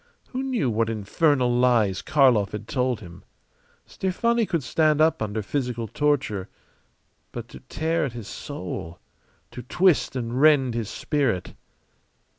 Who knew what infernal lies Karlov had told him? Stefani could stand up under physical torture; but to tear at his soul, to twist and rend his spirit!